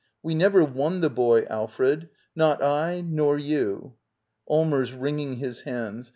] We never wwon the boy, Alfred. Not I — nor you. Allmers. [Wringing his hands.